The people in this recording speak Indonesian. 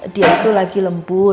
dia sedang lembur